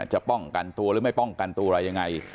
จะป้องกันตัวหรือไม่ป้องกันตัวอะไรยังไง